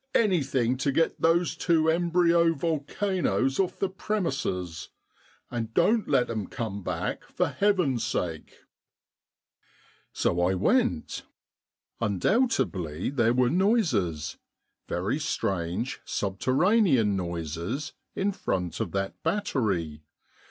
" Anything to get those two em bryo volcanoes off the premises : and don't let 'em come back, for Heaven's sake !" 10 146 EBENEEZER THE GOAT So I went. Undoubtedly there were noises — very strange subterranean noises, in front of that battery.